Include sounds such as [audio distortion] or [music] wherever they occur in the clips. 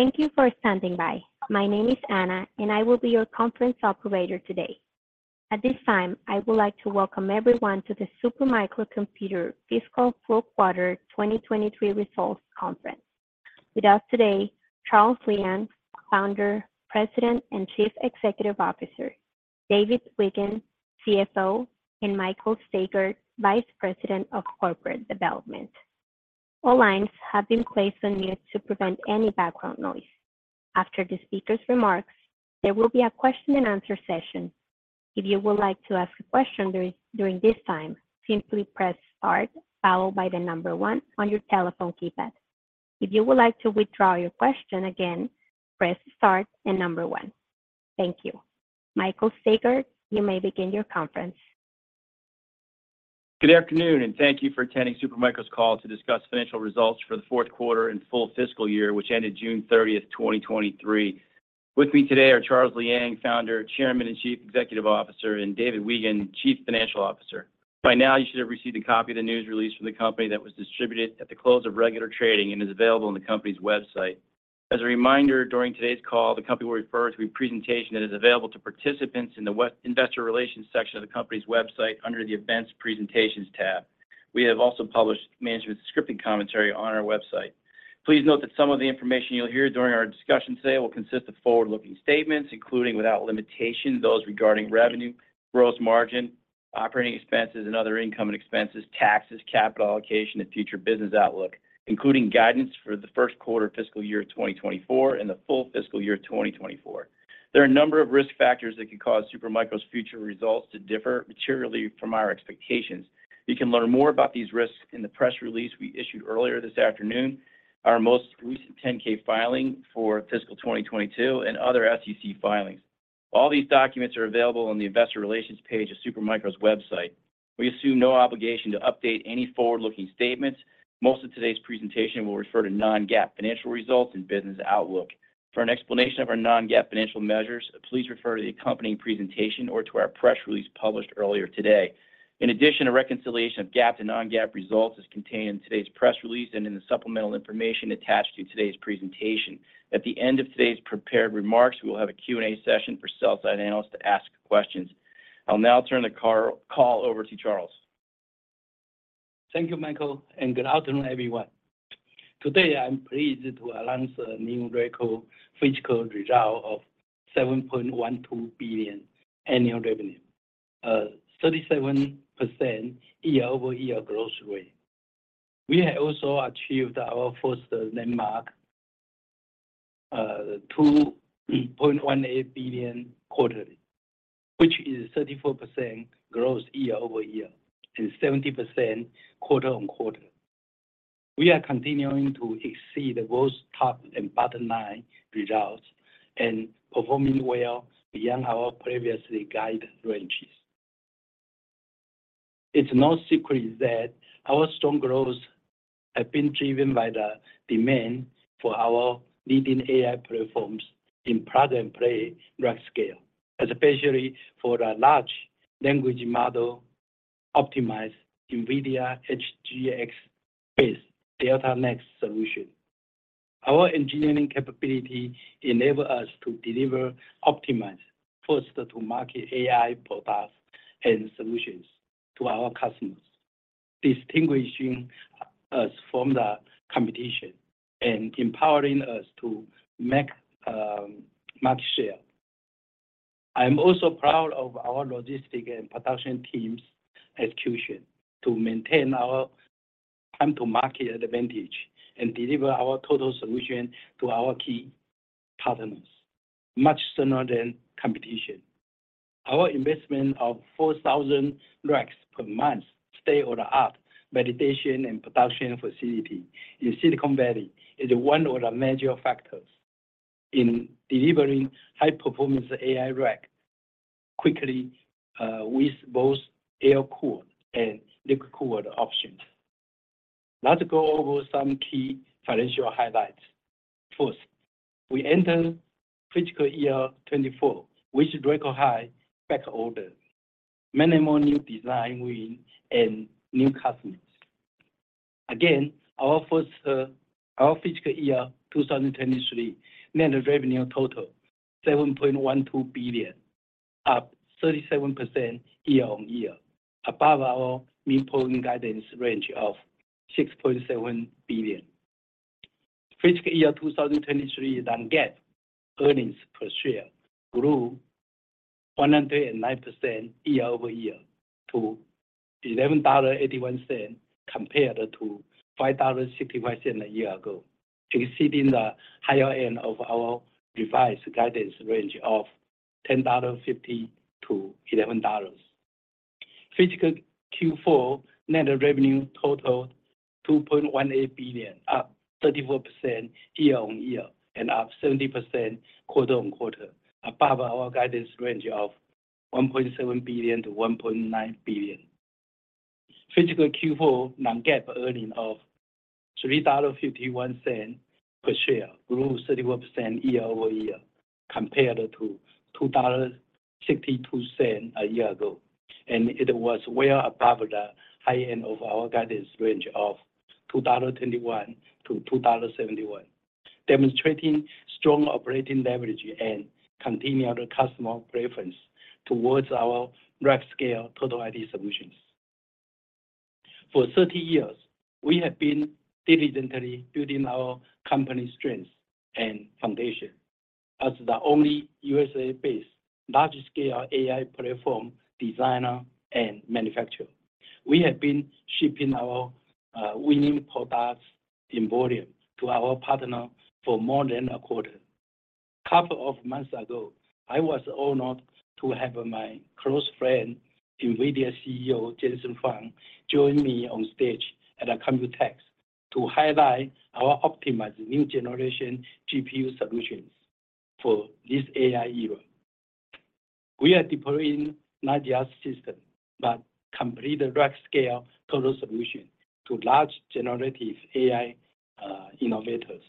Thank you for standing by. My name is Anna, I will be your conference operator today. At this time, I would like to welcome everyone to the Super Micro Computer Fiscal Full Quarter 2023 Results Conference. With us today, Charles Liang, Founder, President, and Chief Executive Officer, David Weigand, CFO, and Michael Staiger, Vice President of Corporate Development. All lines have been placed on mute to prevent any background noise. After the speaker's remarks, there will be a question and answer session. If you would like to ask a question during this time, simply press star 1 on your telephone keypad. If you would like to withdraw your question again, press star 1. Thank you. Michael Staiger, you may begin your conference. Good afternoon, and thank you for attending Super Micro's call to discuss financial results for the fourth quarter and full fiscal year, which ended June 30, 2023. With me today are Charles Liang, Founder, Chairman, and Chief Executive Officer, and David Weigand, Chief Financial Officer. By now, you should have received a copy of the news release from the company that was distributed at the close of regular trading and is available on the company's website. As a reminder, during today's call, the company will refer to a presentation that is available to participants in the web investor relations section of the company's website under the Events Presentations tab. We have also published management's descriptive commentary on our website. Please note that some of the information you'll hear during our discussion today will consist of forward-looking statements, including, without limitation, those regarding revenue, gross margin, operating expenses, and other income and expenses, taxes, capital allocation, and future business outlook, including guidance for the first quarter fiscal year 2024 and the full fiscal year 2024. There are a number of risk factors that could cause Super Micro's future results to differ materially from our expectations. You can learn more about these risks in the press release we issued earlier this afternoon, our most recent 10-K filing for fiscal 2022, and other SEC filings. All these documents are available on the investor relations page of Super Micro's website. We assume no obligation to update any forward-looking statements. Most of today's presentation will refer to non-GAAP financial results and business outlook. For an explanation of our non-GAAP financial measures, please refer to the accompanying presentation or to our press release published earlier today. In addition, a reconciliation of GAAP to non-GAAP results is contained in today's press release and in the supplemental information attached to today's presentation. At the end of today's prepared remarks, we will have a Q&A session for sell-side analysts to ask questions. I'll now turn the call over to Charles. Thank you, Michael. Good afternoon, everyone. Today, I'm pleased to announce a new record fiscal result of $7.12 billion annual revenue, 37% year-over-year growth rate. We have also achieved our first landmark, $2.18 billion quarterly, which is 34% growth year-over-year and 70% quarter-on-quarter. We are continuing to exceed both top and bottom line results and performing well beyond our previously guided ranges. It's no secret that our strong growth have been driven by the demand for our leading AI platforms in Plug and Play Rack Scale, especially for the large language model, optimized NVIDIA HGX-based Delta Next solution. Our engineering capability enable us to deliver optimized first-to-market AI products and solutions to our customers, distinguishing us from the competition and empowering us to make market share. I'm also proud of our logistic and production team's execution to maintain our time-to-market advantage and deliver our Total IT Solution to our key partners, much sooner than competition. Our investment of 4,000 racks per month stay order up validation and production facility in Silicon Valley is one of the major factors in delivering high-performance AI rack quickly, with both air-cooled and liquid-cooled options. To go over some key financial highlights. First, we enter fiscal year 2024 with record high back orders, many more new design wins, and new customers. Again, our first, our fiscal year 2023 net revenue total, $7.12 billion, up 37% year-on-year, above our midpoint guidance range of $6.7 billion. Fiscal year 2023 non-GAAP earnings per share grew 109% year-over-year to $11.81, compared to $5.65 a year ago, exceeding the higher end of our revised guidance range of $10.50-$11.00. Fiscal Q4 net revenue totaled $2.18 billion, up 34% year-on-year, and up 70% quarter-on-quarter, above our guidance range of $1.7 billion-$1.9 billion. Fiscal Q4 non-GAAP earnings of $3.51 per share, grew 31% year-over-year, compared to $2.62 a year ago, and it was well above the high end of our guidance range of $2.21-$2.71, demonstrating strong operating leverage and continued customer preference towards our Rack Scale Total IT Solutions. For 30 years, we have been diligently building our company's strengths and foundation as the only USA-based, large-scale AI platform designer and manufacturer. We have been shipping our winning products in volume to our partner for more than a quarter. Couple of months ago, I was honored to have my close friend, NVIDIA CEO Jensen Huang, join me on stage at COMPUTEX to highlight our optimized new generation GPU solutions for this AI era. We are deploying not just system, but complete Rack Scale Total Solution to large generative AI innovators,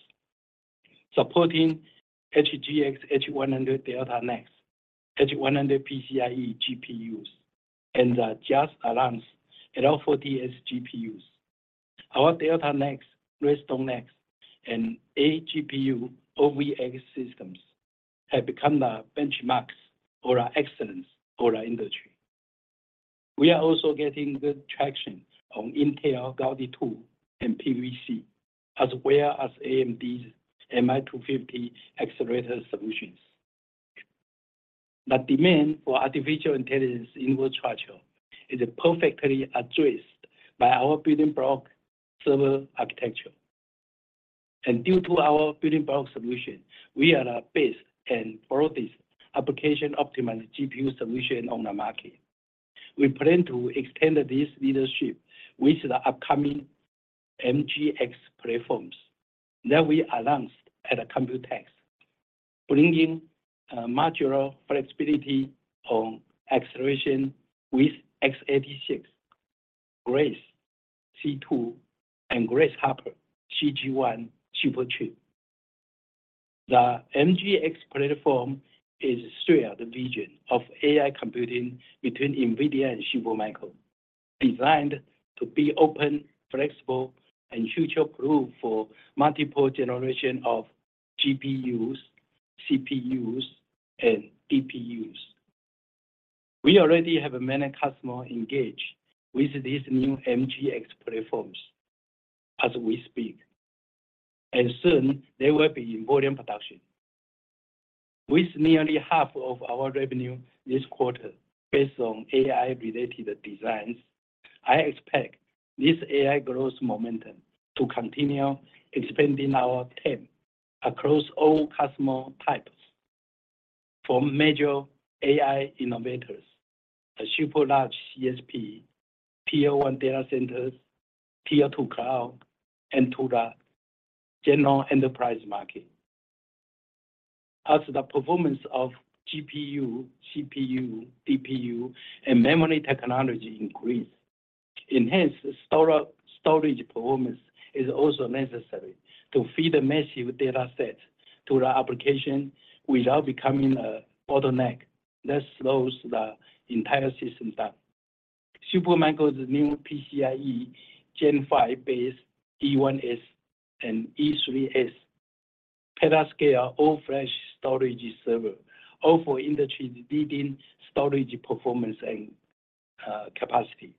supporting HGX H100 Delta-Next, H100 PCIe GPUs, and the just announced L40S GPUs. Our Delta-Next, Redstone-Next, and 8-GPU OVX systems have become the benchmarks for excellence for our industry. We are also getting good traction on Intel Gaudi 2 and PVC, as well as AMD's MI250 accelerator solutions. The demand for artificial intelligence infrastructure is perfectly addressed by our Building Block server architecture. Due to our Building Block Solution, we are the best and broadest application-optimized GPU solution on the market. We plan to extend this leadership with the upcoming MGX platforms that we announced at COMPUTEX, bringing modular flexibility on acceleration with x86, Grace C2, and Grace Hopper CG1 Superchip. The MGX platform is shared vision of AI computing between NVIDIA and Supermicro, designed to be open, flexible, and future-proof for multiple generation of GPUs, CPUs, and DPUs. We already have many customers engaged with this new MGX platforms as we speak, and soon they will be in volume production. With nearly half of our revenue this quarter based on AI-related designs, I expect this AI growth momentum to continue expanding our TAM across all customer types, from major AI innovators, the super large CSP, Tier 1 data centers, Tier 2 cloud, and to the general enterprise market. As the performance of GPU, CPU, DPU, and memory technology increase, enhanced storage, storage performance is also necessary to feed the massive data set to the application without becoming a bottleneck that slows the entire system down. Supermicro's new PCIe Gen 5-based E1.S and E3.S Petascale all-flash storage server offer industry-leading storage performance and capacity.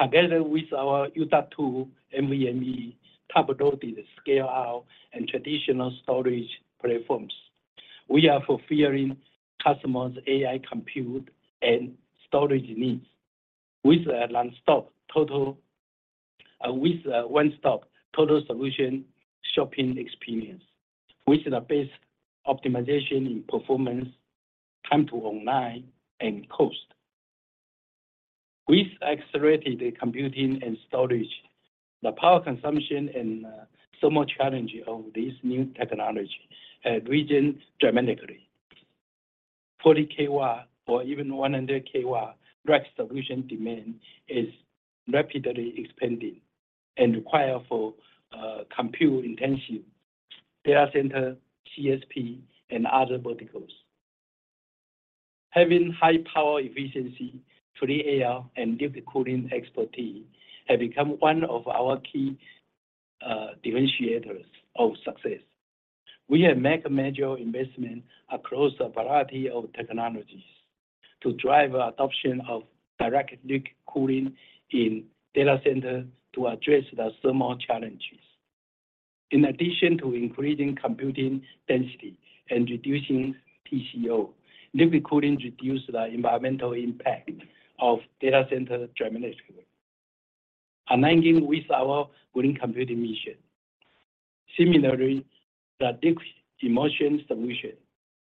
Together with our U.2 NVMe top-loaded scale-out and traditional storage platforms, we are fulfilling customers' AI compute and storage needs with a one-stop total solution shopping experience, with the best optimization in performance, time to online, and cost. With accelerated computing and storage, the power consumption and thermal challenge of this new technology have reduced dramatically. 40 kW or even 100 kW rack solution demand is rapidly expanding and required for compute-intensive data center, CSP, and other verticals. Having high power efficiency, free air, and liquid cooling expertise have become one of our key differentiators of success. We have made a major investment across a variety of technologies to drive adoption of direct liquid cooling in data center to address the thermal challenges. In addition to increasing computing density and reducing TCO, liquid cooling reduce the environmental impact of data center dramatically, aligning with our green computing mission. Similarly, the liquid immersion solution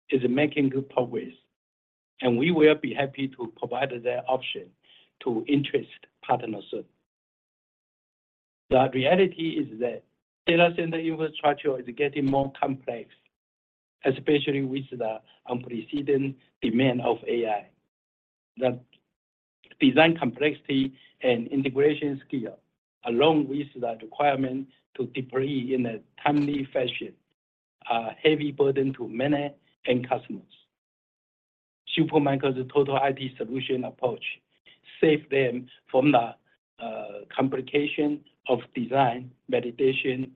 is making good progress, and we will be happy to provide that option to interested partners soon. The reality is that data center infrastructure is getting more complex, especially with the unprecedented demand of AI. The design complexity and integration scale, along with the requirement to deploy in a timely fashion, are heavy burden to many end customers. Supermicro's Total IT Solution approach save them from the complication of design, validation,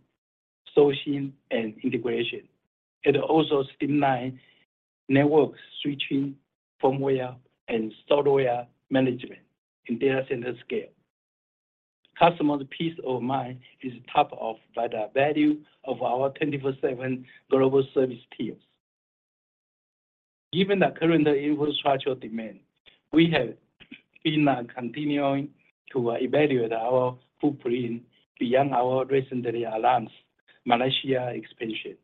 sourcing, and integration. It also streamline network switching, firmware, and software management in data center scale. Customer's peace of mind is topped off by the value of our 24/7 global service teams. Given the current infrastructure demand, we have been continuing to evaluate our footprint beyond our recently announced Malaysia expansion.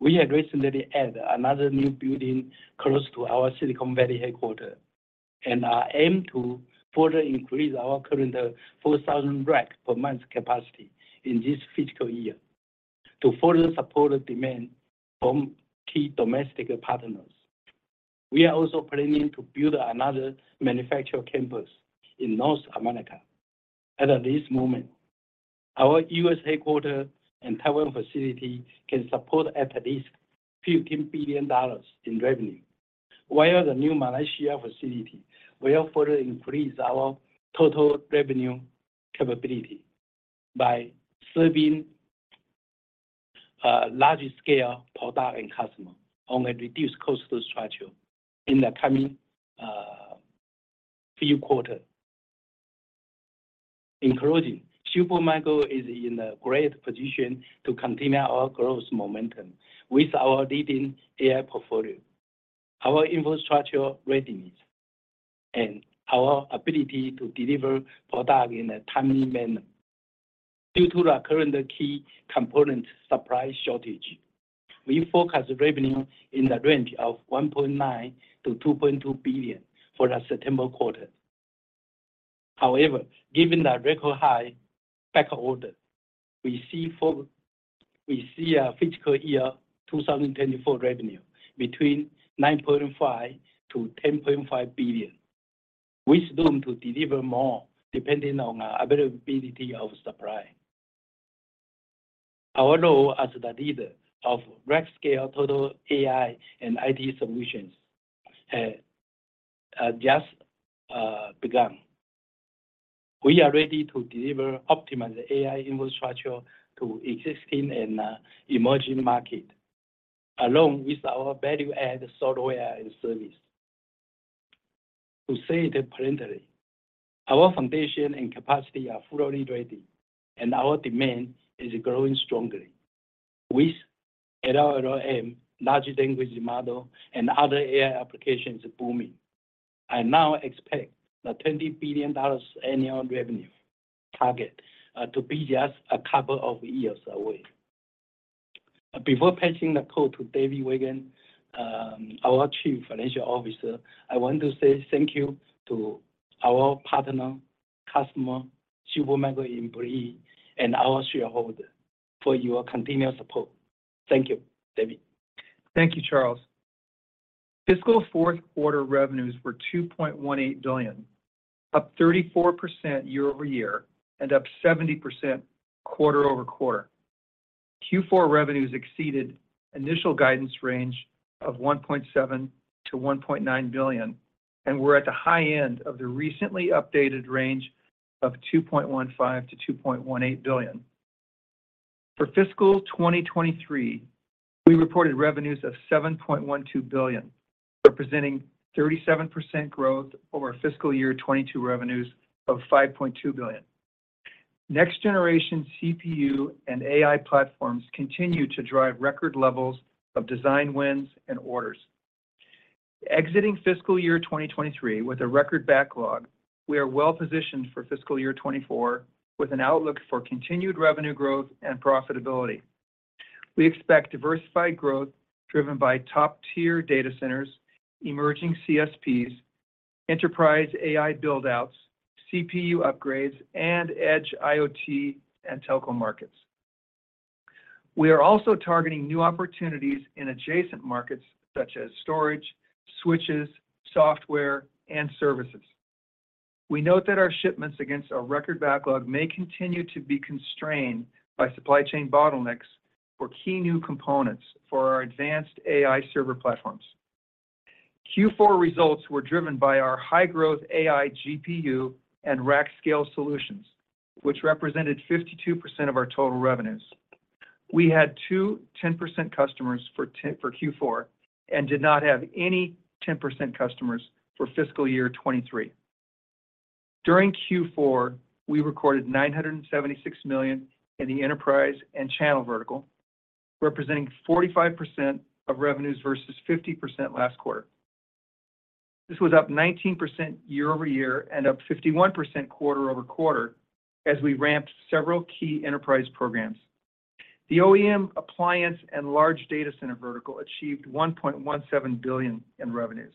We had recently added another new building close to our Silicon Valley headquarter, and are aimed to further increase our current 4,000 rack per month capacity in this fiscal year to further support the demand from key domestic partners. We are also planning to build another manufacture campus in North America. At this moment, our U.S. headquarter and Taiwan facility can support at least $15 billion in revenue, while the new Malaysia facility will further increase our total revenue capability by serving large-scale product and customer on a reduced cost structure in the coming few quarter. In closing, Supermicro is in a great position to continue our growth momentum with our leading AI portfolio, our infrastructure readiness, and our ability to deliver product in a timely manner. Due to the current key component supply shortage, we forecast revenue in the range of $1.9 billion-$2.2 billion for the September quarter. However, given the record high backlog order, we see our fiscal year 2024 revenue between $9.5 billion-$10.5 billion, which is going to deliver more depending on the availability of supply. Our role as the leader of Rack Scale total AI and IT solutions has just begun. We are ready to deliver optimized AI infrastructure to existing and emerging market, along with our value-added software and service. To say it plainly, our foundation and capacity are fully ready, and our demand is growing strongly. With LLM large language model and other AI applications booming, I now expect the $20 billion annual revenue target to be just a couple of years away. Before passing the call to David Weigand, our Chief Financial Officer, I want to say thank you to our partner, customer, Supermicro employee, and our shareholder for your continuous support. Thank you. David? Thank you, Charles. Fiscal fourth quarter revenues were $2.18 billion, up 34% year-over-year, and up 70% quarter-over-quarter. Q4 revenues exceeded initial guidance range of $1.7 billion-$1.9 billion, and were at the high end of the recently updated range of $2.15 billion-$2.18 billion. For fiscal 2023, we reported revenues of $7.12 billion, representing 37% growth over fiscal year 2022 revenues of $5.2 billion. Next generation CPU and AI platforms continue to drive record levels of design wins and orders. Exiting fiscal year 2023 with a record backlog, we are well-positioned for fiscal year 2024, with an outlook for continued revenue growth and profitability. We expect diversified growth driven by top-tier data centers, emerging CSPs, enterprise AI build-outs, CPU upgrades, and Edge IoT and telco markets. We are also targeting new opportunities in adjacent markets such as storage, switches, software, and services. We note that our shipments against our record backlog may continue to be constrained by supply chain bottlenecks for key new components for our advanced AI server platforms. Q4 results were driven by our high-growth AI GPU and Rack Scale Solutions, which represented 52% of our total revenues. We had 2 10% customers for Q4 and did not have any 10% customers for fiscal year 2023. During Q4, we recorded $976 million in the enterprise and channel vertical, representing 45% of revenues versus 50% last quarter. This was up 19% year-over-year and up 51% quarter-over-quarter as we ramped several key enterprise programs. The OEM appliance and large data center vertical achieved $1.17 billion in revenues,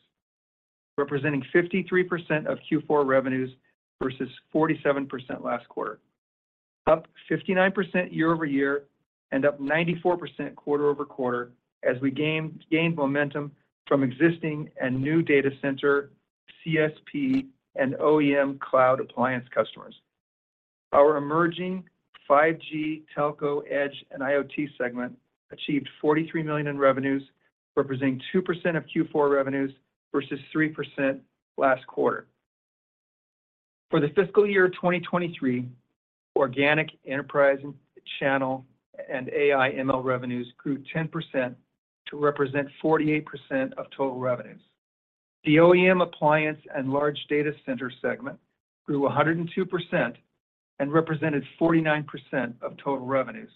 representing 53% of Q4 revenues versus 47% last quarter. Up 59% year-over-year and up 94% quarter-over-quarter, as we gained, gained momentum from existing and new data center, CSP, and OEM cloud appliance customers. Our emerging 5G Telco Edge and IoT segment achieved $43 million in revenues, representing 2% of Q4 revenues versus 3% last quarter. For the fiscal year 2023, organic enterprise channel and AI/ML revenues grew 10% to represent 48% of total revenues. The OEM appliance and large data center segment grew 102% and represented 49% of total revenues.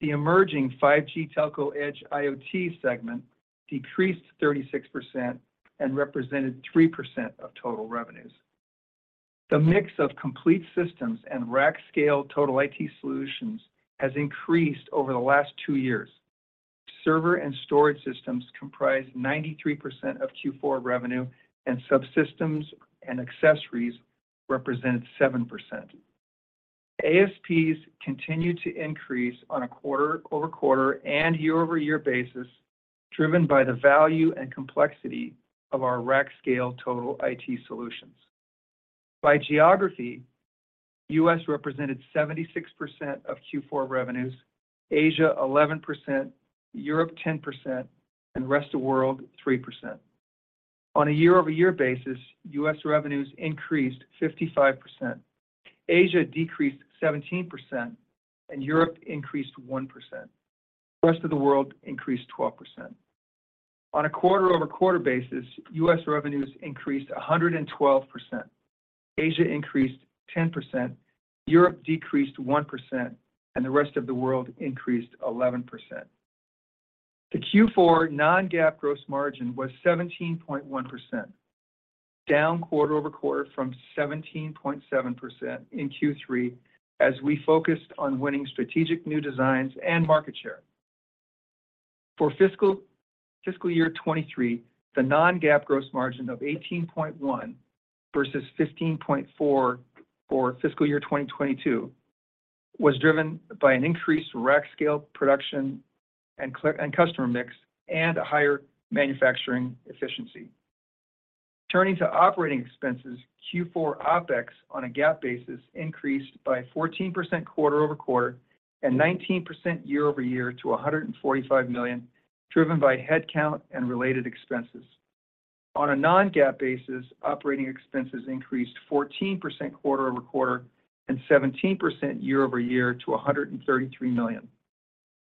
The emerging 5G Telco Edge IoT segment decreased 36% and represented 3% of total revenues. The mix of complete systems and Rack Scale Total IT Solutions has increased over the last two years. Server and storage systems comprise 93% of Q4 revenue, and subsystems and accessories represented 7%. ASPs continued to increase on a quarter-over-quarter and year-over-year basis, driven by the value and complexity of our Rack Scale Total IT Solutions. By geography, U.S. represented 76% of Q4 revenues, Asia 11%, Europe 10%, and rest of world 3%. On a year-over-year basis, U.S. revenues increased 55%, Asia decreased 17%, and Europe increased 1%. The rest of the world increased 12%. On a quarter-over-quarter basis, U.S. revenues increased 112%, Asia increased 10%, Europe decreased 1%, The rest of the world increased 11%. The Q4 non-GAAP gross margin was 17.1%, down quarter-over-quarter from 17.7% in Q3 as we focused on winning strategic new designs and market share. For fiscal year 2023, the non-GAAP gross margin of 18.1 versus 15.4 for fiscal year 2022, was driven by an increased Rack Scale production and customer mix, and a higher manufacturing efficiency. Turning to operating expenses, Q4 OpEx on a GAAP basis increased by 14% quarter-over-quarter and 19% year-over-year to $145 million, driven by headcount and related expenses. On a non-GAAP basis, operating expenses increased 14% quarter-over-quarter and 17% year-over-year to $133 million.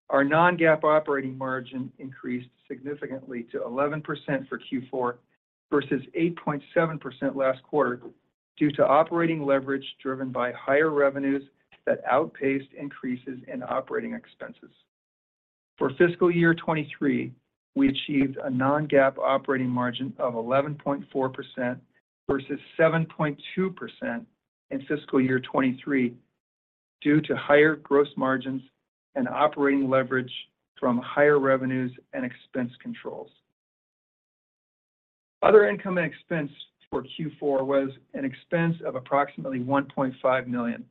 Our non-GAAP operating margin increased significantly to 11% for Q4 versus 8.7% last quarter, due to operating leverage driven by higher revenues that outpaced increases in operating expenses. For fiscal year 2023, we achieved a non-GAAP operating margin of 11.4% versus 7.2% in fiscal year 2023, due to higher gross margins and operating leverage from higher revenues and expense controls. Other income and expense for Q4 was an expense of approximately $1.5 million,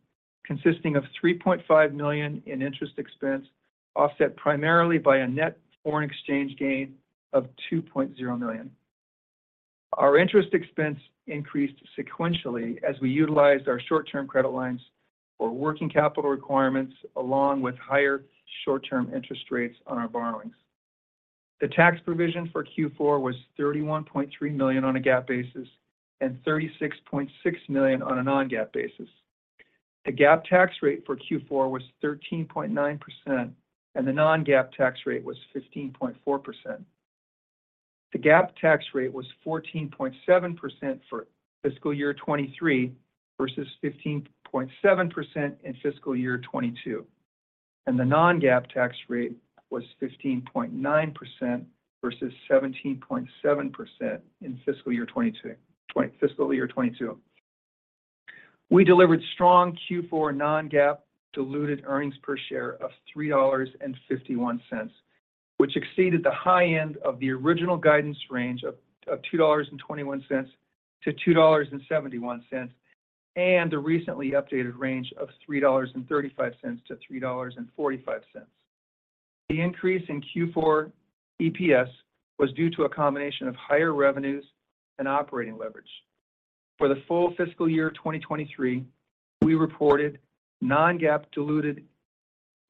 consisting of $3.5 million in interest expense, offset primarily by a net foreign exchange gain of $2.0 million. Our interest expense increased sequentially as we utilized our short-term credit lines for working capital requirements, along with higher short-term interest rates on our borrowings. The tax provision for Q4 was $31.3 million on a GAAP basis and $36.6 million on a non-GAAP basis. The GAAP tax rate for Q4 was 13.9%, and the non-GAAP tax rate was 15.4%. The GAAP tax rate was 14.7% for fiscal year 2023 versus 15.7% in fiscal year 2022, and the non-GAAP tax rate was 15.9% versus 17.7% in fiscal year 2022, fiscal year 2022. We delivered strong Q4 non-GAAP diluted earnings per share of $3.51, which exceeded the high end of the original guidance range of $2.21-$2.71, and the recently updated range of $3.35-$3.45. The increase in Q4 EPS was due to a combination of higher revenues and operating leverage. For the full fiscal year 2023, we reported non-GAAP diluted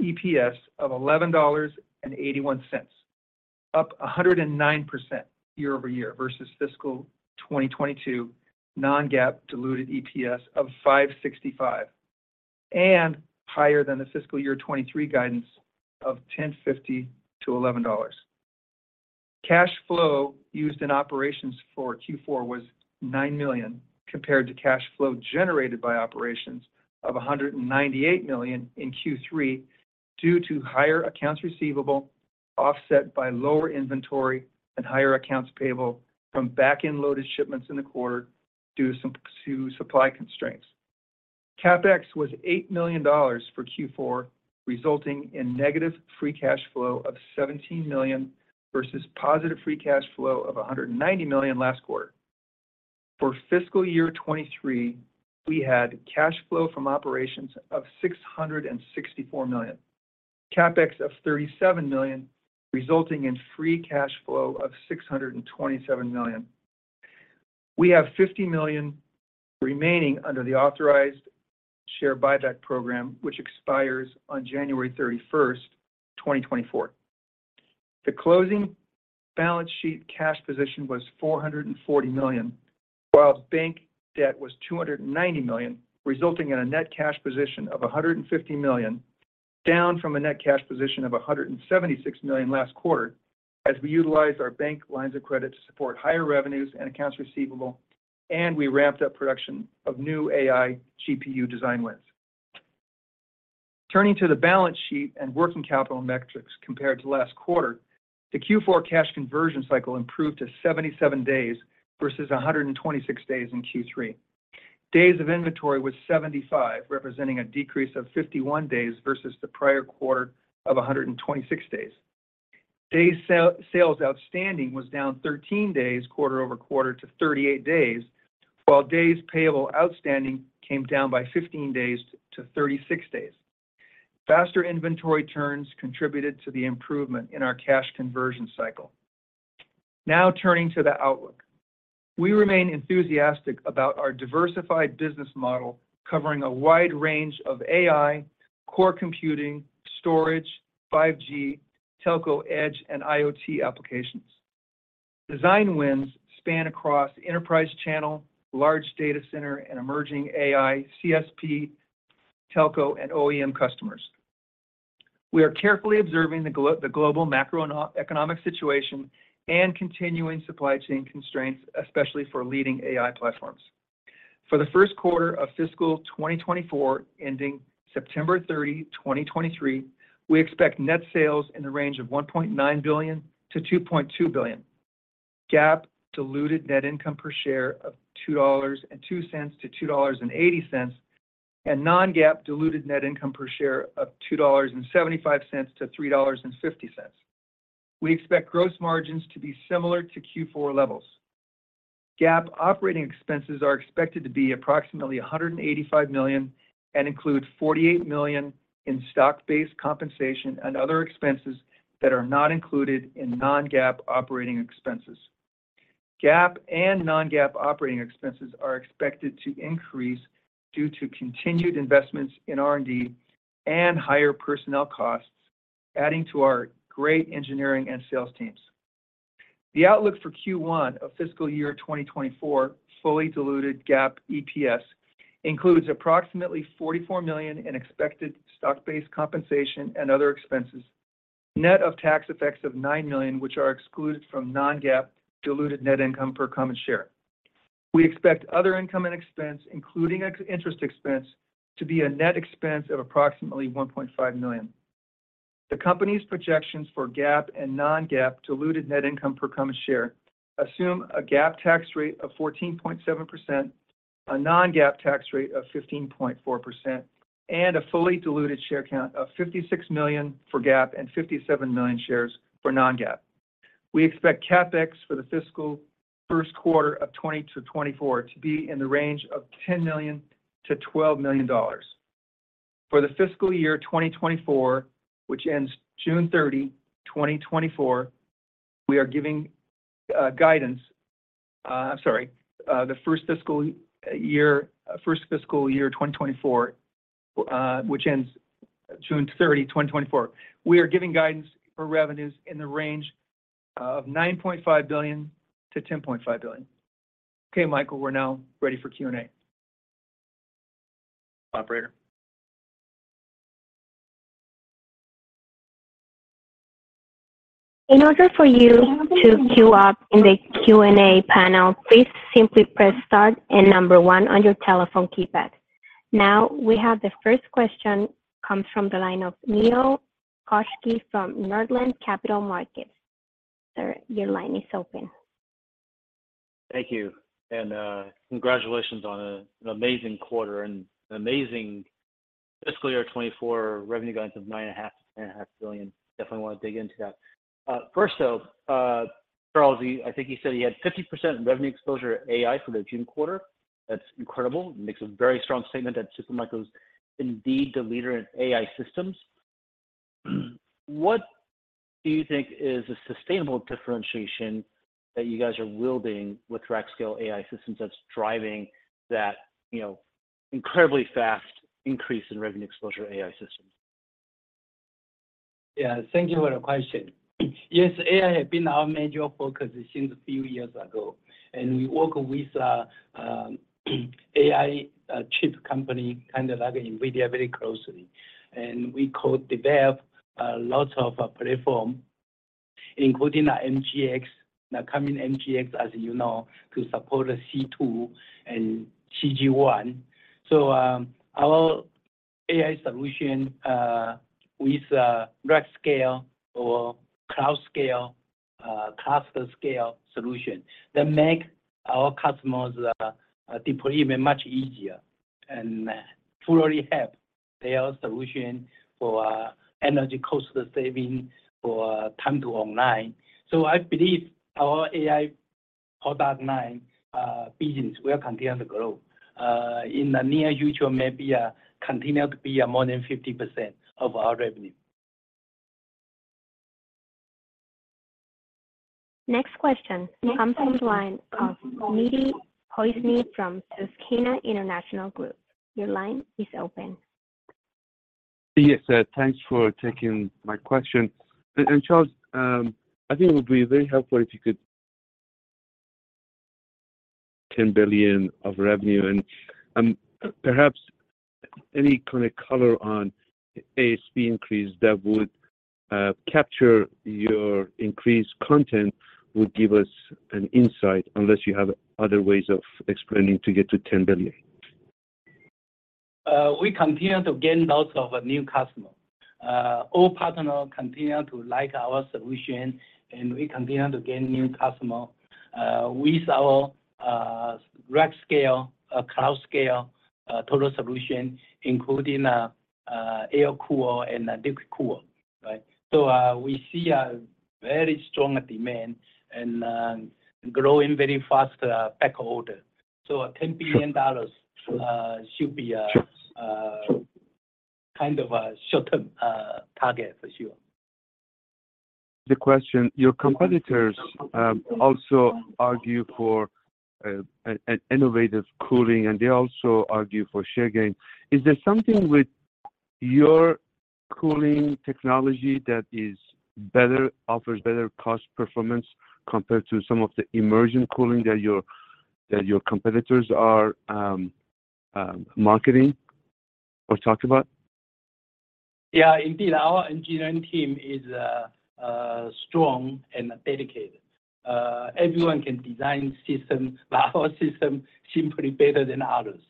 EPS of $11.81, up 109% year-over-year, versus fiscal 2022 non-GAAP diluted EPS of $5.65, and higher than the fiscal year 2023 guidance of $10.50-$11.00. Cash flow used in operations for Q4 was $9 million, compared to cash flow generated by operations of $198 million in Q3, due to higher accounts receivable, offset by lower inventory and higher accounts payable from back-end loaded shipments in the quarter due to supply constraints. CapEx was $8 million for Q4, resulting in negative free cash flow of $17 million versus positive free cash flow of $190 million last quarter. For fiscal year 2023, we had cash flow from operations of $664 million, CapEx of $37 million, resulting in free cash flow of $627 million. We have $50 million remaining under the authorized share buyback program, which expires on January 31st, 2024. The closing balance sheet cash position was $440 million, while bank debt was $290 million, resulting in a net cash position of $150 million, down from a net cash position of $176 million last quarter, as we utilized our bank lines of credit to support higher revenues and accounts receivable. We ramped up production of new AI GPU design wins. Turning to the balance sheet and working capital metrics compared to last quarter, the Q4 cash conversion cycle improved to 77 days versus 126 days in Q3. Days of inventory was 75, representing a decrease of 51 days versus the prior quarter of 126 days. Day sales outstanding was down 13 days, quarter-over-quarter to 38 days, while days payable outstanding came down by 15 days to 36 days. Faster inventory turns contributed to the improvement in our cash conversion cycle. Now, turning to the outlook. We remain enthusiastic about our diversified business model, covering a wide range of AI, core computing, storage, 5G, telco, Edge, and IoT applications. Design wins span across enterprise channel, large data center, and emerging AI, CSP, telco, and OEM customers. We are carefully observing the global macroeconomic situation and continuing supply chain constraints, especially for leading AI platforms. For the first quarter of fiscal 2024, ending September 30, 2023, we expect net sales in the range of $1.9 billion-$2.2 billion. GAAP diluted net income per share of $2.02-$2.80, and non-GAAP diluted net income per share of $2.75-$3.50. We expect gross margins to be similar to Q4 levels. GAAP operating expenses are expected to be approximately $185 million and include $48 million in stock-based compensation and other expenses that are not included in non-GAAP operating expenses. GAAP and non-GAAP operating expenses are expected to increase due to continued investments in R&D and higher personnel costs, adding to our great engineering and sales teams. The outlook for Q1 of fiscal year 2024, fully diluted GAAP EPS, includes approximately $44 million in expected stock-based compensation and other expenses, net of tax effects of $9 million, which are excluded from non-GAAP diluted net income per common share. We expect other income and expense, including ex-interest expense, to be a net expense of approximately $1.5 million. The company's projections for GAAP and non-GAAP diluted net income per common share assume a GAAP tax rate of 14.7%, a non-GAAP tax rate of 15.4%, and a fully diluted share count of 56 million for GAAP and 57 million shares for non-GAAP. We expect CapEx for the fiscal first quarter of 2024 to be in the range of $10 million-$12 million. For the fiscal year 2024, which ends June 30, 2024, we are giving guidance. I'm sorry, the first fiscal year 2024, which ends June 30, 2024. We are giving guidance for revenues in the range of $9.5 billion-$10.5 billion. Okay, Michael, we're now ready for Q&A. Operator? In order for you to queue up in the Q&A panel, please simply press start and number one on your telephone keypad. We have the first question comes from the line of Nehal Chokshi from Northland Capital Markets. Sir, your line is open. Thank you, and congratulations on an amazing quarter and an amazing fiscal year 2024 revenue guidance of $9.5 billion-$10.5 billion. Definitely want to dig into that. First, though, Charles, I think you said you had 50% revenue exposure AI for the June quarter. That's incredible. Makes a very strong statement that Supermicro is indeed the leader in AI systems. What do you think is a sustainable differentiation that you guys are wielding with Rack Scale AI systems that's driving that, you know, incredibly fast increase in revenue exposure AI systems? Yeah, thank you for the question. Yes, AI has been our major focus since a few years ago. We work with AI chip company, kind of like NVIDIA, very closely. We co-develop lots of platform, including our MGX, the coming MGX, as you know, to support C2 and CG1. Our AI solution with Rack Scale or Cloud Scale, Cluster Scale solution, that make our customers deployment much easier, and fully have their solution for energy cost saving for time to online. I believe our AI product line business will continue to grow in the near future, maybe continue to be more than 50% of our revenue. Next question comes from the line of Mehdi Hosseini from Susquehanna International Group. Your line is open. Yes, sir. Thanks for taking my question. Charles, I think it would be very helpful if you could [audio distortion] $10 billion of revenue, and perhaps any kind of color on ASP increase that would capture your increased content would give us an insight, unless you have other ways of explaining to get to $10 billion. We continue to gain lots of new customer. All partner continue to like our solution, and we continue to gain new customer with our Rack Scale, Cloud Scale, Total Solution, including air cool and liquid cool, right? We see a very strong demand and growing very fast back order. $10 billion should be a kind of a short-term target for sure. The question, your competitors, also argue for an innovative cooling, and they also argue for share gain. Is there something with your cooling technology that is better, offers better cost performance compared to some of the immersion cooling that your competitors are marketing or talking about? Yeah, indeed, our engineering team is strong and dedicated. Everyone can design system, but our system simply better than others.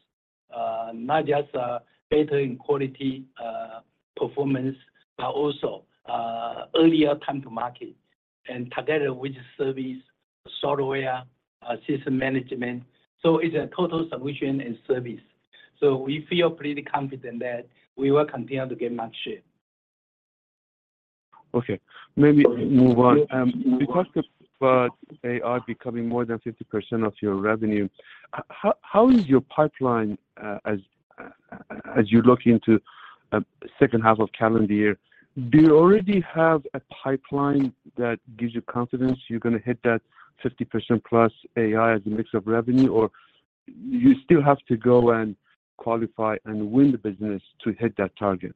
Not just better in quality, performance, but also earlier time to market, and together with service, software, system management. It's a total solution and service. We feel pretty confident that we will continue to gain market share. Okay, maybe move on. Because the AI becoming more than 50% of your revenue, how, how is your pipeline as, as you look into second half of calendar year? Do you already have a pipeline that gives you confidence you're gonna hit that 50%+ AI as a mix of revenue, or you still have to go and qualify and win the business to hit that target?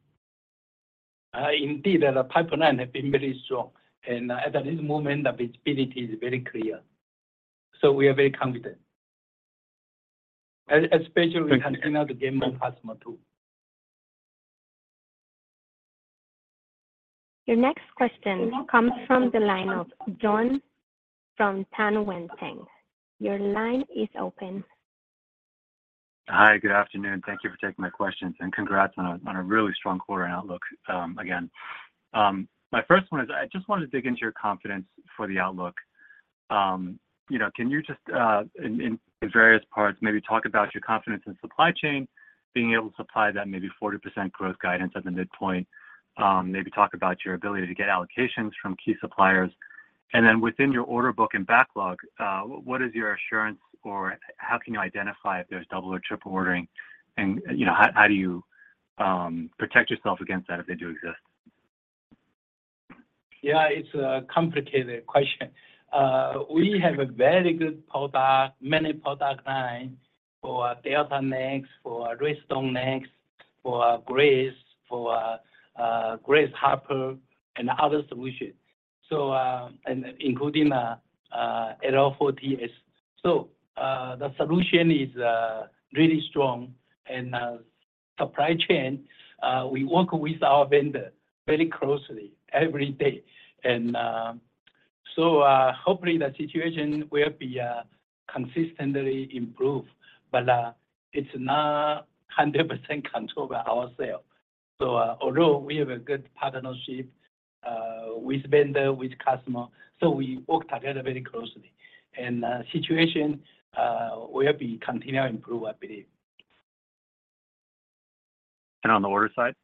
Indeed, the pipeline has been very strong. At this moment, the visibility is very clear. We are very confident, especially we continue to gain more customer too. Your next question comes from the line of [Jon Tanwanteng]. Your line is open. Hi, good afternoon. Thank you for taking my questions. Congrats on a really strong quarter and outlook, again. My first one is, I just wanted to dig into your confidence for the outlook. You know, can you just, in various parts, maybe talk about your confidence in supply chain, being able to supply that maybe 40% growth guidance at the midpoint? Maybe talk about your ability to get allocations from key suppliers. Then within your order book and backlog, what is your assurance, or how can you identify if there's double or triple ordering, and, you know, how, how do you protect yourself against that if they do exist? Yeah, it's a complicated question. We have a very good product, many product line for Delta Next, for Redstone Next, for Grace, for Grace Hopper, and other solutions. And including L40S. The solution is really strong and supply chain, we work with our vendor very closely every day. Hopefully, the situation will be consistently improved, but it's not 100% controlled by ourselves. Although we have a good partnership with vendor, with customer, we work together very closely, situation will be continue to improve, I believe. On the order side?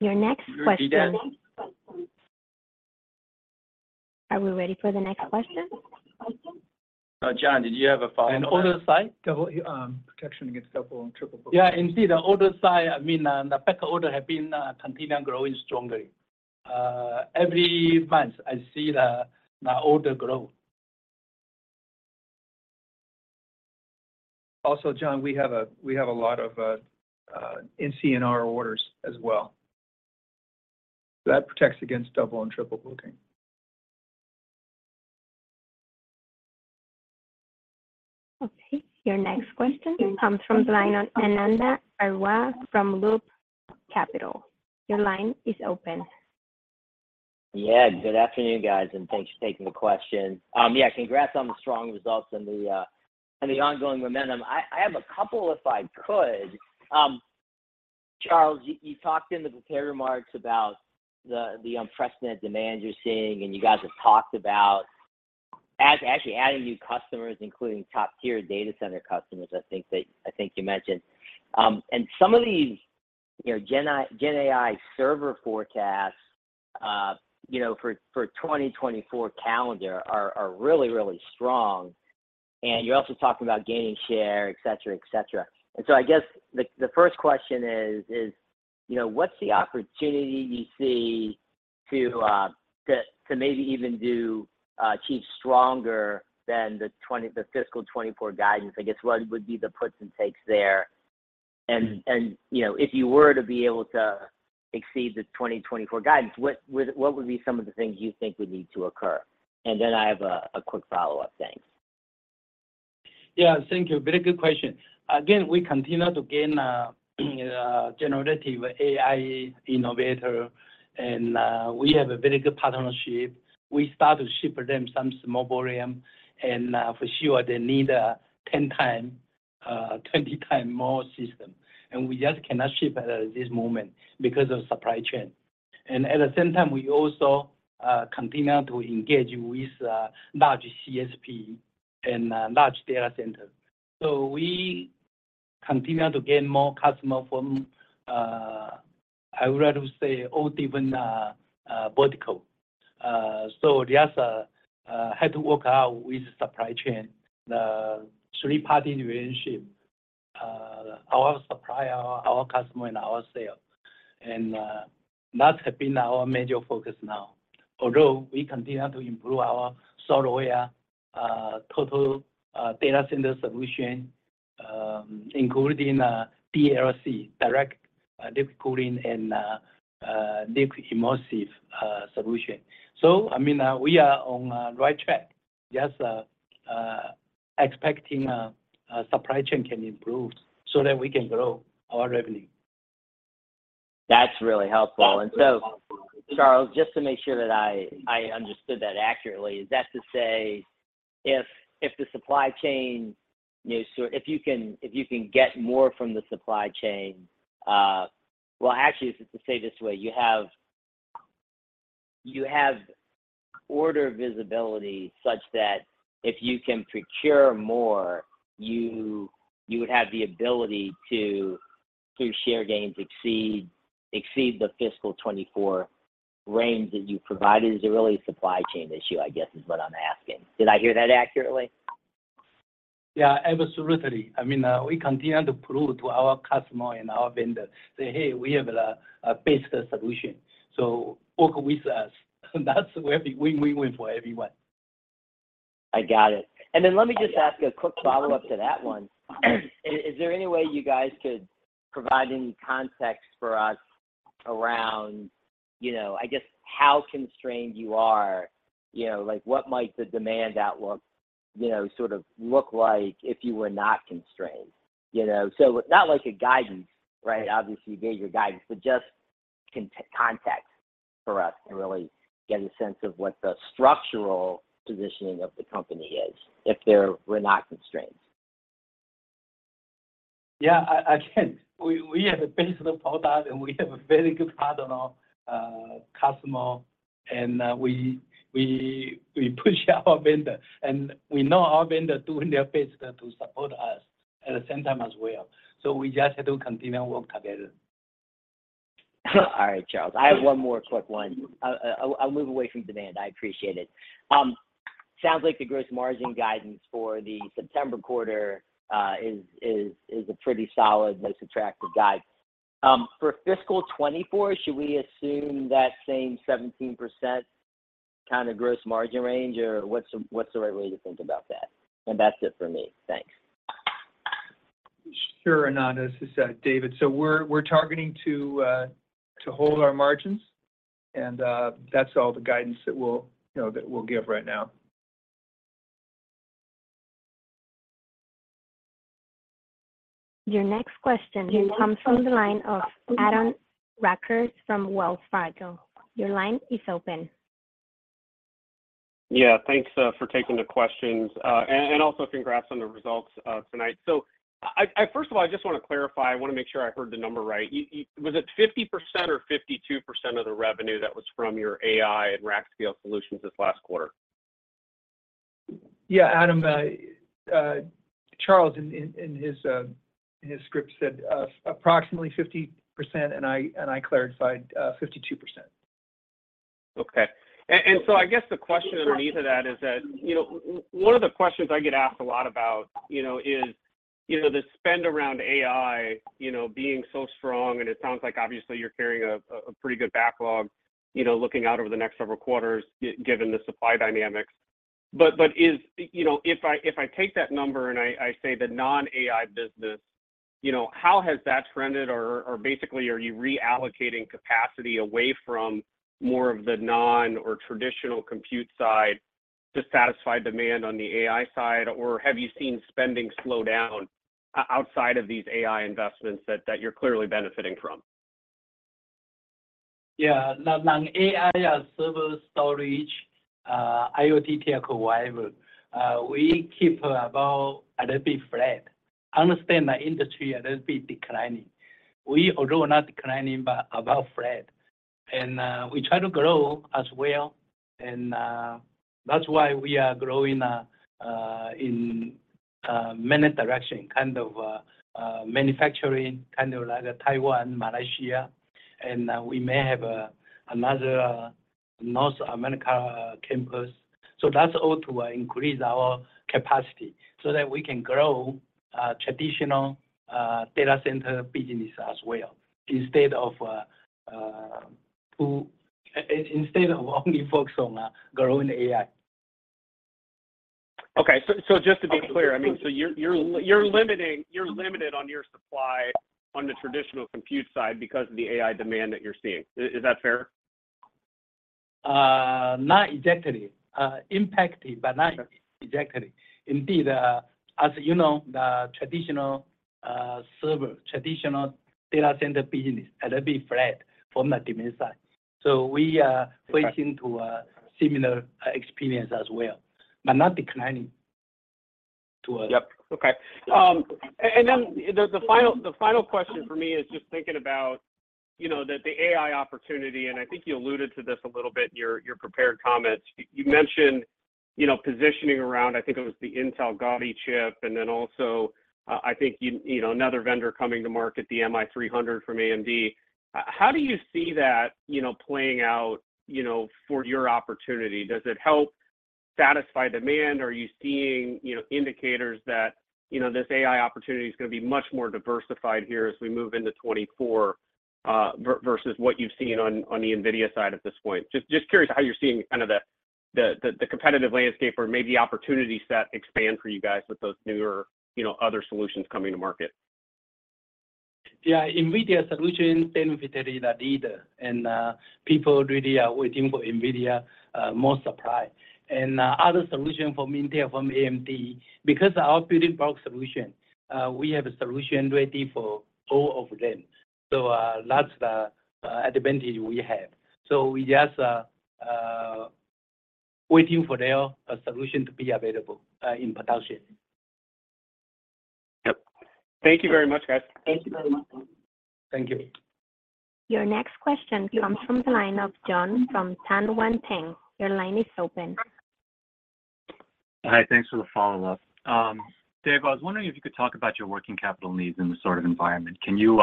Your next question- Are we ready for the next question? John, did you have a follow-up? On order side? Double, protection against double and triple booking. Yeah, indeed, the order side, I mean, the back order have been continuing growing strongly. Every month, I see the, the order grow. John, we have a, we have a lot of NCNR orders as well. That protects against double and triple booking. Your next question comes from the line of Ananda Baruah from Loop Capital. Your line is open. Yeah, good afternoon, guys, and thanks for taking the question. Yeah, congrats on the strong results and the ongoing momentum. I have a couple, if I could. Charles Liang, you talked in the prepared remarks about the, the unprecedented demand you're seeing, and you guys have talked about actually adding new customers, including top-tier data center customers, I think that, I think you mentioned. Some of these, you know, GenAI server forecasts, you know, for 2024 calendar are really, really strong. You're also talking about gaining share, etc, etc. So I guess the, the first quest, ion is you know, what's the opportunity you see to maybe even do achieve stronger than the fiscal 2024 guidance? I guess what would be the puts and takes there? You know, if you were to be able to exceed the 2024 guidance, what would be some of the things you think would need to occur? Then I have a quick follow-up. Thanks. Yeah, thank you. Very good question. Again, we continue to gain generative AI innovator, and we have a very good partnership. We start to ship them some small volume, for sure they need 10 times 20 times more system. We just cannot ship at this moment because of supply chain. At the same time, we also continue to engage with large CSP and large data center. We continue to gain more customer from I would rather say, all different vertical. Just have to work out with supply chain, the three-party relationship, our supplier, our customer, and our sales. That have been our major focus now. Although we continue to improve our software, Total Data Center Solution, including DLC, Direct Liquid-Cooling, and liquid immersion solution. I mean, we are on the right track, just expecting a supply chain can improve so that we can grow our revenue. That's really helpful. Charles, just to make sure that I, I understood that accurately, is that to say if, if the supply chain, you know, so if you can, if you can get more from the supply chain, well, actually, to say this way, you have, you have order visibility such that if you can procure more, you, you would have the ability to, through share gains, exceed, exceed the fiscal 2024 range that you provided? Is it really a supply chain issue, I guess is what I'm asking. Did I hear that accurately? Yeah, absolutely. I mean, we continue to prove to our customer and our vendor that, "Hey, we have a, a basic solution, so work with us." That's a win-win-win for everyone. I got it. Let me just ask a quick follow-up to that one. Is there any way you guys could provide any context for us around, you know, I guess, how constrained you are? You know, like, what might the demand outlook, you know, sort of look like if you were not constrained? You know, not like a guidance, right? Obviously, you gave your guidance, just context for us to really get a sense of what the structural positioning of the company is if there were not constraints. Yeah, I can. We, we have a basic product, and we have a very good partner, customer, and we, we, we push our vendor, and we know our vendor doing their best to support us at the same time as well. We just have to continue work together. All right, Charles. I have one more quick one. I'll move away from demand. I appreciate it. Sounds like the gross margin guidance for the September quarter is a pretty solid, most attractive guide. For fiscal 2024, should we assume that same 17% kind of gross margin range, or what's the, what's the right way to think about that? And that's it for me. Thanks. Sure, Ananda. This is David. We're targeting to hold our margins, and that's all the guidance that we'll, you know, that we'll give right now. Your next question comes from the line of Aaron Rakers from Wells Fargo. Your line is open. Yeah, thanks for taking the questions. And also congrats on the results tonight. So I... First of all, I just want to clarify. I want to make sure I heard the number right. Was it 50% or 52% of the revenue that was from your AI and Rack Scale Solutions this last quarter? Yeah, Aaron, Charles, in his script, said approximately 50%, and I clarified 52%. I guess the question underneath of that is that, you know, one of the questions I get asked a lot about, you know, is, you know, the spend around AI, you know, being so strong, and it sounds like obviously you're carrying a pretty good backlog, you know, looking out over the next several quarters, given the supply dynamics. You know, if I take that number and I say the non-AI business, you know, how has that trended? Or, or basically, are you reallocating capacity away from more of the non- or traditional compute side to satisfy demand on the AI side? Or have you seen spending slow down outside of these AI investments that, that you're clearly benefiting from? Yeah, on, on AI, server storage, IoT, or whatever, we keep about a little bit flat. Understand the industry a little bit declining. We although not declining, but about flat. We try to grow as well, and that's why we are growing in many direction, kind of manufacturing, kind of like Taiwan, Malaysia, and we may have another North America campus. So that's all to increase our capacity so that we can grow traditional data center business as well, instead of to instead of only focus on growing AI. Okay. So, just to be clear, I mean, so you're limited on your supply on the traditional compute side because of the AI demand that you're seeing. Is, is that fair? Not exactly. Impacted, but not exactly. Indeed, as you know, the traditional, server, traditional data center business a little bit flat from the demand side. We are facing to a similar experience as well, but not declining to us. Yep. Okay. Then the final, the final question for me is just thinking about, you know, the AI opportunity, and I think you alluded to this a little bit in your, your prepared comments. You mentioned, you know, positioning around, I think it was the Intel Gaudi chip, and then also, I think you, you know, another vendor coming to market, the MI300 from AMD. How do you see that, you know, playing out, you know, for your opportunity? Does it help satisfy demand, or are you seeing, you know, indicators that, you know, this AI opportunity is going to be much more diversified here as we move into 2024, versus what you've seen on, on the NVIDIA side at this point? Just curious how you're seeing kind of the competitive landscape or maybe opportunity set expand for you guys with those newer, you know, other solutions coming to market? Yeah, NVIDIA solution benefited the leader. People really are waiting for NVIDIA more supply. Other solution from Intel, from AMD, because our Building Block Solution, we have a solution ready for all of them. That's the advantage we have. We just waiting for their solution to be available in production. Yep. Thank you very much, guys. Thank you. Your next question comes from the line of [Jon Tanwanteng]. Your line is open. Hi, thanks for the follow-up. Dave, I was wondering if you could talk about your working capital needs in this sort of environment. Can you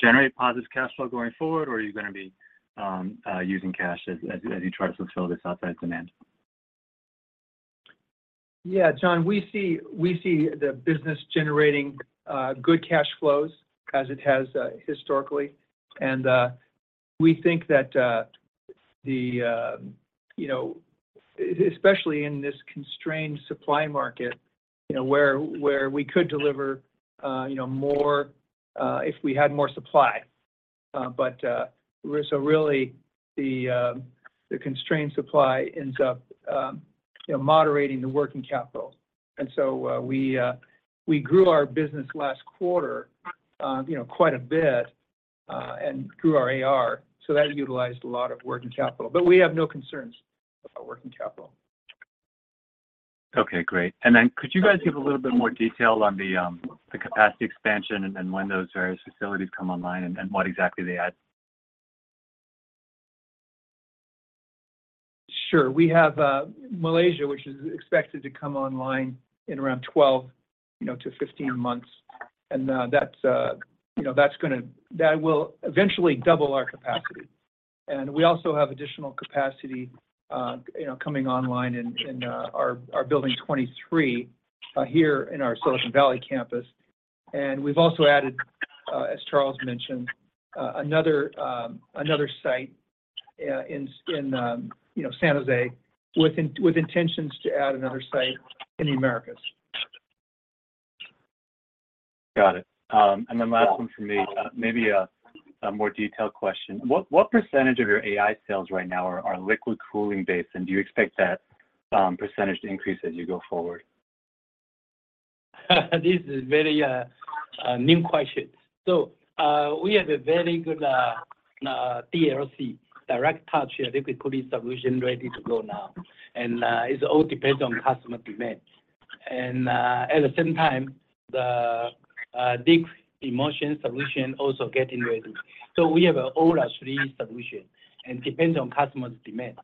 generate positive cash flow going forward, or are you going to be using cash as, as, as you try to fulfill this outside demand? Yeah, John, we see, we see the business generating good cash flows as it has historically. We think that the, you know, especially in this constrained supply market, you know, where, where we could deliver, you know, more, if we had more supply. Really, the constrained supply ends up, you know, moderating the working capital. We grew our business last quarter, you know, quite a bit, and grew our ARR, so that utilized a lot of working capital, but we have no concerns about working capital. Okay, great. Then could you guys give a little bit more detail on the capacity expansion and then when those various facilities come online and what exactly they add? Sure. We have Malaysia, which is expected to come online in around 12, you know, to 15 months. That will eventually double our capacity. We also have additional capacity, you know, coming online in our building 23, here in our Silicon Valley campus. We've also added, as Charles mentioned, another site, in, you know, San Jose, with intentions to add another site in the Americas. Got it. Then last one for me, maybe a, a more detailed question. What, what percentage of your AI sales right now are, are liquid cooling-based, and do you expect that percentage to increase as you go forward? This is very new question. We have a very good DLC, Direct Liquid-Cooling Solution ready to go now, and it all depends on customer demand. At the same time, the deep immersion solution also getting ready. We have all three solution and depends on customer's demand.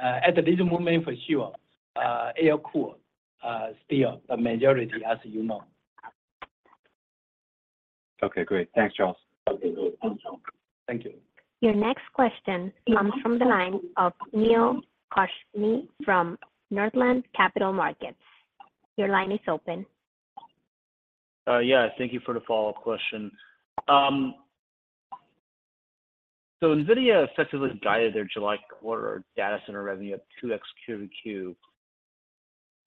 At this moment, for sure, air cool still the majority, as you know. Okay, great. Thanks, Charles. Okay, good. Thank you. Your next question comes from the line of Nehal Chokshi from Northland Capital Markets. Your line is open. Yeah, thank you for the follow-up question. So NVIDIA effectively guided their July quarter data center revenue up 2x Q2Q.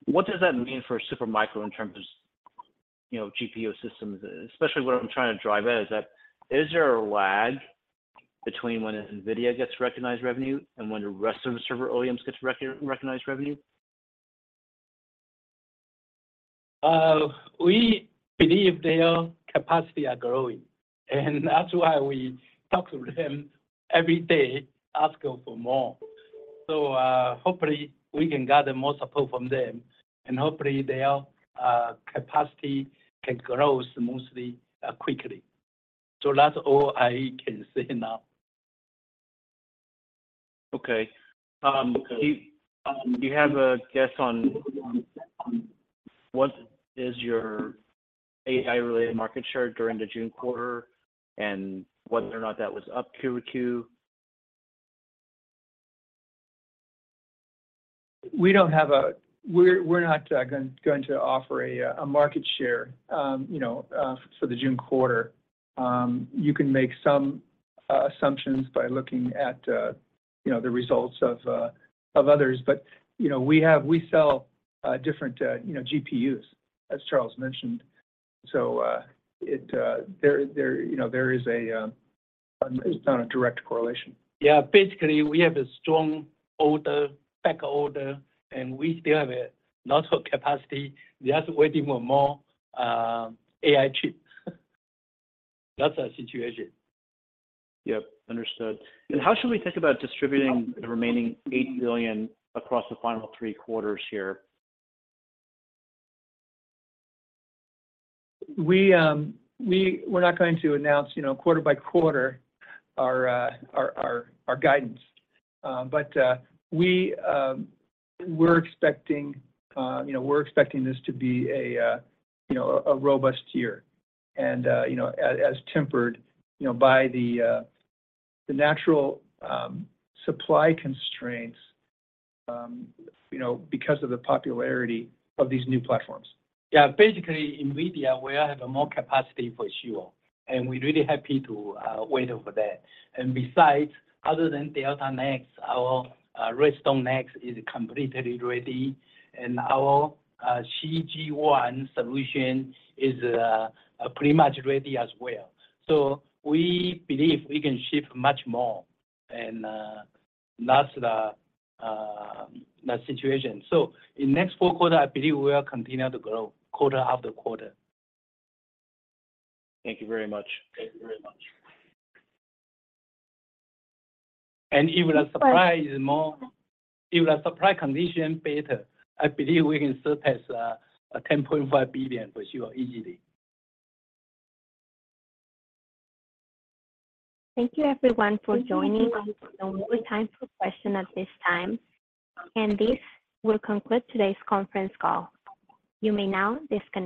What does that mean for Super Micro in terms of, you know, GPU systems? Especially what I'm trying to drive at is that, is there a lag between when NVIDIA gets recognized revenue and when the rest of the server OEMs gets recognized revenue? We believe their capacity are growing, and that's why we talk to them every day, asking for more. Hopefully, we can gather more support from them, and hopefully their capacity can grow mostly, quickly. That's all I can say now. Okay. Do you, do you have a guess on, on, on what is your AI-related market share during the June quarter and whether or not that was up Q2? We don't have we're, we're not going to offer a market share, you know, for the June quarter. You can make some assumptions by looking at, you know, the results of others. You know, we sell different, you know, GPUs, as Charles mentioned. It, there, you know, there is a, it's not a direct correlation. Basically, we have a strong order, back order, and we still have a lot of capacity. They are waiting for more AI chip. That's our situation. Yep, understood. How should we think about distributing the remaining $8 billion across the final three quarters here? We're not going to announce, you know, quarter by quarter our guidance. We're expecting, you know, we're expecting this to be a, you know, a robust year and, you know, as, as tempered, you know, by the natural supply constraints, you know, because of the popularity of these new platforms. Yeah, basically, NVIDIA will have a more capacity for sure, and we're really happy to wait over there. Besides, other than Delta Next, our Redstone Next is completely ready, our GH200 solution is pretty much ready as well. We believe we can ship much more, that's the situation. In next four quarters, I believe we will continue to grow quarter after quarter. Thank you very much. Thank you very much. Even the supply is more, even the supply condition better, I believe we can surpass, $10.5 billion for sure, easily. Thank you everyone for joining. There's no more time for question at this time, this will conclude today's conference call. You may now disconnect.